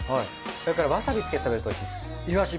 それからわさびつけて食べるとおいしい。